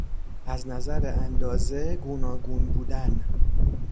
از نظر اندازه گوناگون بودن